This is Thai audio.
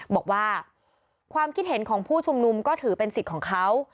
บอกว่าความคิดเห็นของผู้ชุมนุมก็ถือเป็นสิทธิ์ของเขา